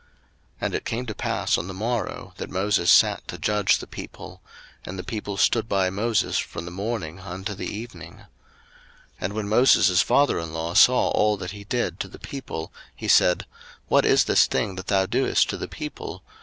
02:018:013 And it came to pass on the morrow, that Moses sat to judge the people: and the people stood by Moses from the morning unto the evening. 02:018:014 And when Moses' father in law saw all that he did to the people, he said, What is this thing that thou doest to the people?